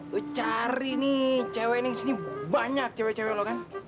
lo cari nih ceweknya disini banyak cewek cewek lo kan